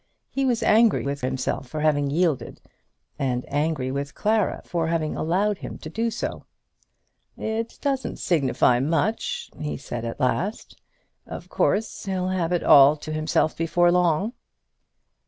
He was angry with himself for having yielded, and angry with Clara for having allowed him to do so. "It doesn't signify much," he said, at last. "Of course he'll have it all to himself before long."